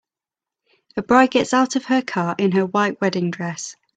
A bride gets out of her car in her white wedding dress.